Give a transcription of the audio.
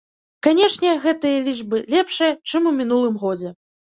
Канешне, гэтыя лічбы лепшыя, чым ў мінулым годзе.